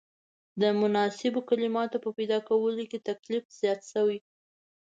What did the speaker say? د مناسبو کلماتو په پیدا کولو کې تکلیف زیات شوی.